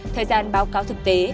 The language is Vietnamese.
thời gian báo cáo thực tế